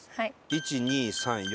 １２３４